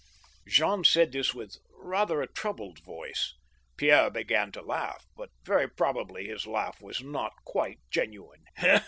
Je^m said this with rather a troubled voice. Pierre began to laugh, but very probably his laugh was not quite genuine.